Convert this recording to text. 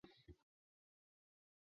该主机仅在日本正式发布。